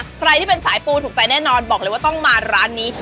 ใครที่เป็นสายปูถูกใจแน่นอนบอกเลยว่าต้องมาร้านนี้